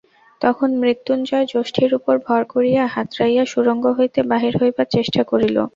তখন মৃত্যুঞ্জয় যষ্টির উপর ভর করিয়া হাতড়াইয়া সুরঙ্গ হইতে বাহির হইবার চেষ্টা করিল।